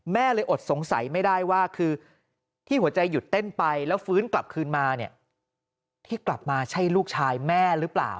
แม่เลยอดสงสัยไม่ได้ว่าคือที่หัวใจหยุดเต้นไปแล้วฟื้นกลับคืนมาเนี่ยที่กลับมาใช่ลูกชายแม่หรือเปล่า